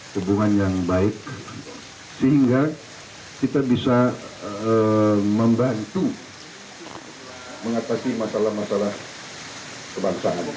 hubungan yang baik sehingga kita bisa membantu mengatasi masalah masalah kebangsaan